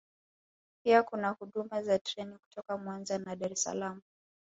Pia kuna huduma za treni kutoka Mwanza na Dar es Salaam